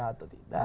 lapor mk atau tidak